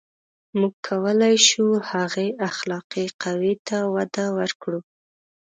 • موږ کولای شو، هغې اخلاقي قوې ته وده ورکړو.